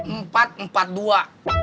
empat empat dua